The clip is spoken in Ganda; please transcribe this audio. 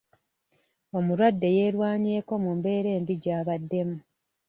Omulwadde yerwanyeeko mu mbeera embi gy'abaddemu.